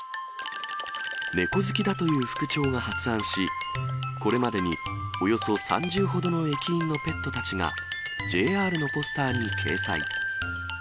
猫好きだという副長が発案し、これまでにおよそ３０ほどの駅員のペットたちが、ＪＲのポスターに掲載。